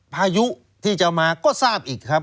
พายุที่จะมาก็ทราบอีกครับ